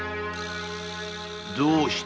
どうした？